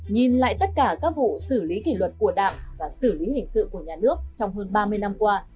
nhìn lại tất cả các vụ xử lý kỷ luật của đảng và xử lý hình sự của nhà nước trong hơn ba mươi năm qua